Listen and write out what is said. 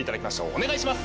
お願いします。